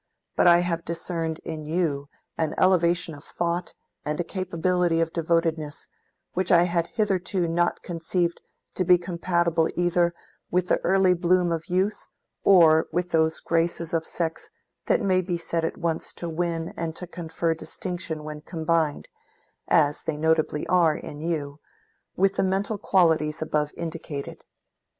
But I have discerned in you an elevation of thought and a capability of devotedness, which I had hitherto not conceived to be compatible either with the early bloom of youth or with those graces of sex that may be said at once to win and to confer distinction when combined, as they notably are in you, with the mental qualities above indicated.